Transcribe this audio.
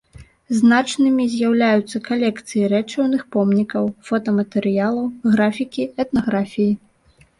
Значнымі з'яўляюцца калекцыі рэчыўных помнікаў, фотаматэрыялаў, графікі, этнаграфіі.